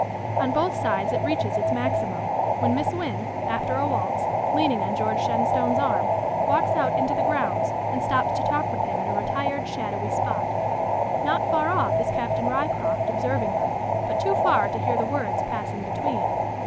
On both sides it reaches its maximum, when Miss Wynn, after a waltz, leaning on George Shenstone's arm, walks out into the grounds, and stops to talk with him in a retired, shadowy spot. Not far off is Captain Ryecroft observing them, but too far to hear the words passing between.